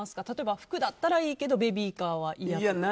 例えば服だったらいいけどベビーカーはいやだとか。